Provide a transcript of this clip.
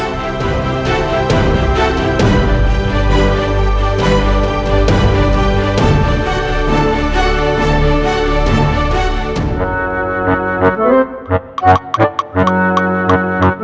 aku bisa memberikan untungan kepada enggak